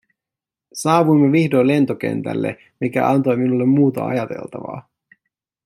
Saavuimme vihdoin lentokentälle, mikä antoi minulle muuta ajateltavaa.